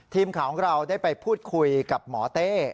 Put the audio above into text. ทีมข่าวของเราได้ไปพูดคุยกับหมอเต้